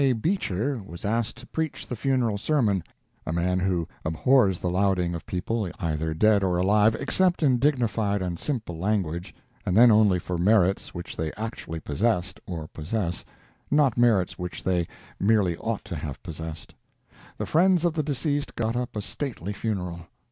Beecher was asked to preach the funeral sermon a man who abhors the lauding of people, either dead or alive, except in dignified and simple language, and then only for merits which they actually possessed or possess, not merits which they merely ought to have possessed. The friends of the deceased got up a stately funeral.